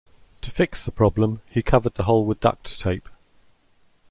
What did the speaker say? To fix the problem, he covered the hole with duct tape.